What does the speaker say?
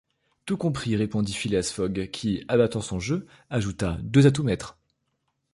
Tout compris, » répondit Phileas Fogg, qui, abattant son jeu, ajouta: « Deux atouts maîtres.